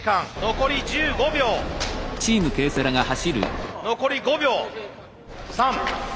残り５秒３２１。